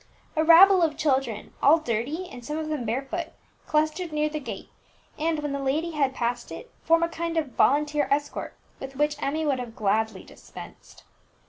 A rabble of children, all dirty and some of them barefoot, clustered near the gate, and when the lady had passed it, formed a kind of volunteer escort with which Emmie would have gladly dispensed.